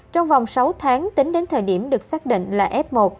trong vòng sáu tháng tính đến thời điểm được xác định là f một